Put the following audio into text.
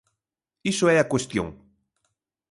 Iso é a cuestión.